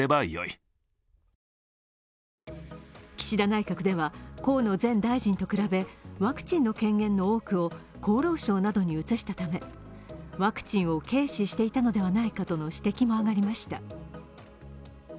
岸田内閣では、河野前大臣と比べワクチンの権限の多くを厚労省などに移したためワクチンを軽視していたのではないかとの指摘も上がりました。